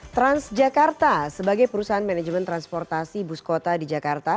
transjakarta sebagai perusahaan manajemen transportasi bus kota di jakarta